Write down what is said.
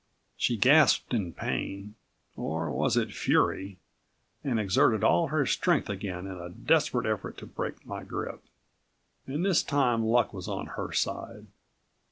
She gasped in pain or was it fury? and exerted all of her strength again in a desperate effort to break my grip. And this time luck was on her side.